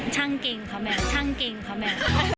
ช่างกินค่ะแม่ช่างกินค่ะแม่